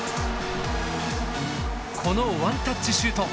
このワンタッチシュート。